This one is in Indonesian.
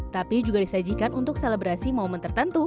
tapi juga disajikan untuk selebrasi momen tertentu